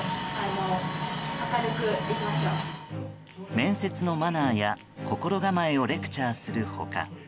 面接のマナーや心構えをレクチャーする他